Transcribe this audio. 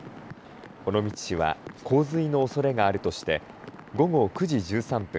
尾道市は洪水のおそれがあるとして午後９時１３分